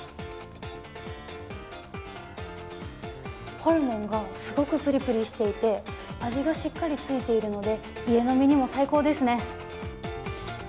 ホルモンがすごくプリプリしていて味がしっかりしみているので家飲みにも最高ですね。